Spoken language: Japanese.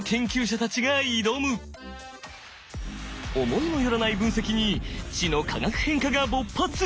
思いも寄らない分析に知の化学変化が勃発！